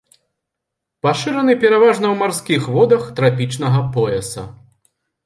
Пашыраны пераважна ў марскіх водах трапічнага пояса.